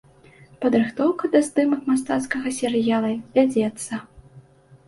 Падрыхтоўка да здымак мастацкага серыяла вядзецца.